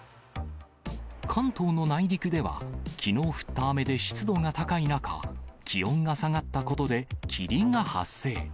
関東の内陸では、きのう降った雨で湿度が高い中、気温が下がったことで霧が発生。